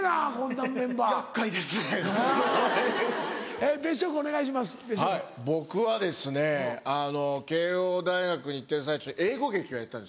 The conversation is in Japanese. はい僕は慶應大学に行ってる最中に英語劇をやってたんですよ。